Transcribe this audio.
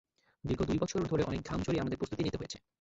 দীর্ঘ দুই বছর ধরে অনেক ঘাম ঝরিয়ে আমাদের প্রস্তুতি নিতে হয়েছে।